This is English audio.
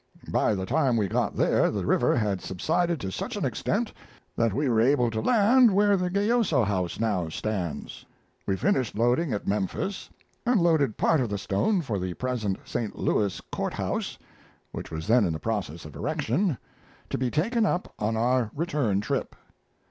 By the time we got there the river had subsided to such an extent that we were able to land where the Gayoso House now stands. We finished loading at Memphis, and loaded part of the stone for the present St. Louis Court House (which was then in process of erection), to be taken up on our return trip.